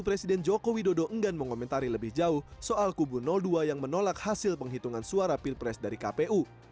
presiden joko widodo enggan mengomentari lebih jauh soal kubu dua yang menolak hasil penghitungan suara pilpres dari kpu